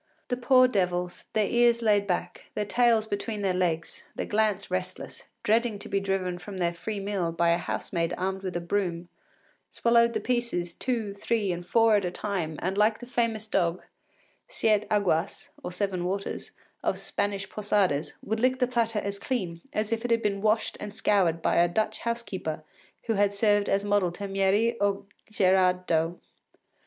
The poor devils, their ears laid back, their tails between their legs, their glance restless, dreading to be driven from their free meal by a housemaid armed with a broom, swallowed the pieces two, three, and four at a time, and like the famous dog, Siete Aguas (Seven Waters), of Spanish posadas, would lick the platter as clean as if it had been washed and scoured by a Dutch housekeeper who had served as model to Mieris or Gerard Dow.